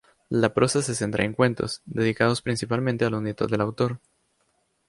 La prosa se centra en cuentos, dedicados principalmente a los nietos del autor.